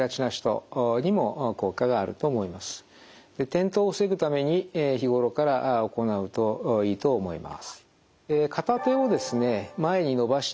転倒を防ぐために日頃から行うといいと思います。